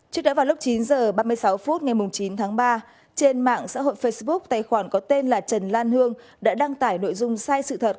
trước đó vào lúc chín h ba mươi sáu phút ngày chín tháng ba trên mạng xã hội facebook tài khoản có tên là trần lan hương đã đăng tải nội dung sai sự thật